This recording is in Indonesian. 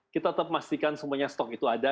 kita tetap memastikan semuanya stok itu ada